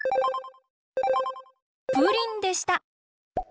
プリンでした！